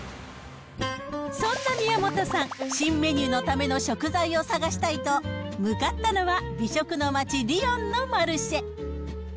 そんな宮本さん、新メニューのための食材を探したいと、向かったのは美食の街、リヨンのマルシェ。